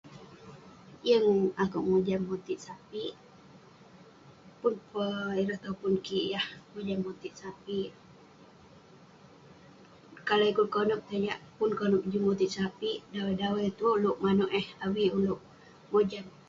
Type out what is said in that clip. Yeng akouk mojam motit sapik, pun peh ireh topun kik yah mojam motit sapik..kalau ikut konep, sajak pun konep kik juk motit sapik..dawai dawai tuerk ulouk manouk eh, avik ulouk mojam.